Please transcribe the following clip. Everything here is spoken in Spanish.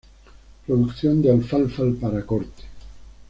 Producción de alfalfa para corte.